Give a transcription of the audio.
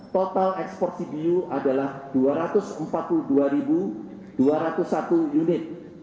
total ekspor cbu adalah dua ratus empat puluh dua dua ratus satu unit